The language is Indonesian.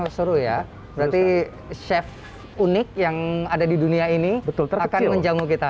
seru ya berarti chef unik yang ada di dunia ini akan menjamu kita